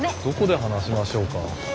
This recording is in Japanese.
どこで話しましょうか？